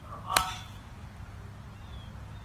د قتل په بدل کې نجوني مه ورکوئ.